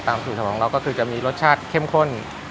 ตามสื่อการิย์ของเราก็จะมีรสชาติเข้มข้น